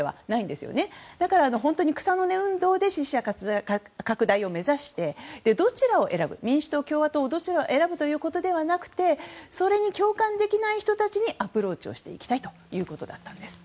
ですから草の根運動で支持者拡大を目指して民主党、共和党どちらを選ぶということではなくてそれに共感できない人たちにアプローチをしていきたいということだったんです。